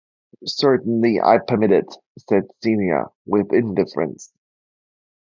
"Certainly I permit it," said Celia, with indifference.